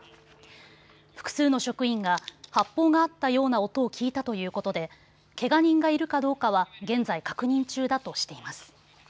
複数の職員が発砲があったような音を聞いたということでけが人がいるかどうかは現在確認中だとしています。